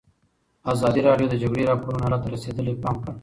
ازادي راډیو د د جګړې راپورونه حالت ته رسېدلي پام کړی.